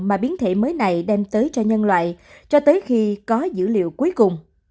mà biến thể mới này đem tới cho nhân loại cho tới khi có dữ liệu cuối cùng